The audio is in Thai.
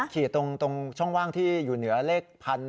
ตรงช่องว่างที่อยู่เหนือเลข๑๘